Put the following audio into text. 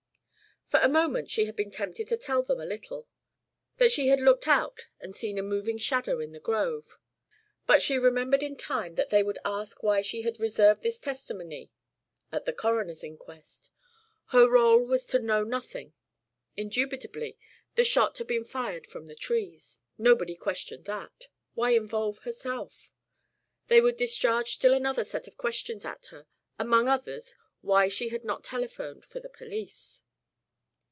For a moment she had been tempted to tell them a little; that she had looked out and seen a moving shadow in the grove. But she had remembered in time that they would ask why she had reserved this testimony at the coroner's inquest. Her rôle was to know nothing. Indubitably the shot had been fired from the trees; nobody questioned that; why involve herself? They would discharge still another set of questions at her, among others why she had not telephoned for the police.